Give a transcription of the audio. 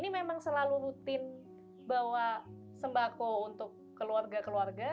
ini memang selalu rutin bawa sembako untuk keluarga keluarga